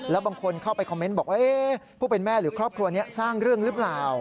แล้วบางคนเข้าไปคอมเมนต์บอกว่าผู้เป็นแม่หรือครอบครัวนี้สร้างเรื่องหรือเปล่า